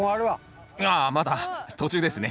ああまだ途中ですね。